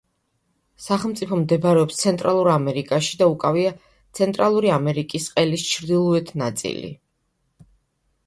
სახელმწიფო მდებარეობს ცენტრალურ ამერიკაში და უკავია ცენტრალური ამერიკის ყელის ჩრდილოეთ ნაწილი.